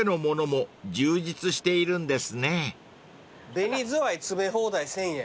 紅ずわいつめ放題１，０００円。